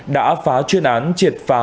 đã phá chuyên án triệt phá